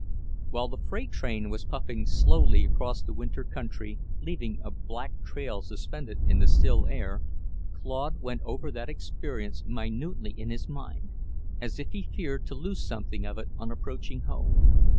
While the freight train was puffing slowly across the winter country, leaving a black trail suspended in the still air, Claude went over that experience minutely in his mind, as if he feared to lose something of it on approaching home.